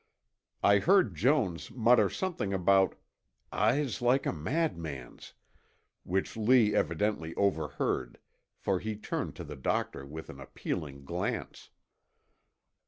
I heard Jones mutter something about "eyes like a madman's," which Lee evidently overheard, for he turned to the doctor with an appealing glance.